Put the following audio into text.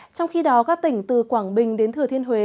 trong khi đó các tỉnh từ quảng bình đến thừa thiên huế